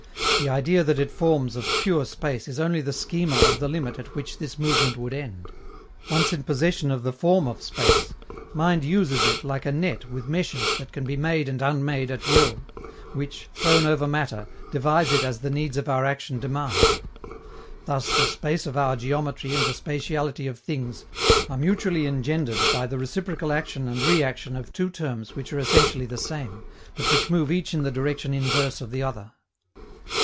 The idea that it forms of pure space is only the schema of the limit at which this movement would end. Once in possession of the form of space, mind uses it like a net with meshes that can be made and unmade at will, which, thrown over matter, divides it as the needs of our action demand. Thus, the space of our geometry and the spatiality of things are mutually engendered by the reciprocal action and reaction of two terms which are essentially the same, but which move each in the direction inverse of the other.